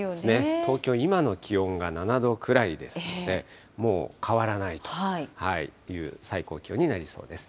東京、今の気温が７度くらいですので、もう、変わらないという最高気温になりそうです。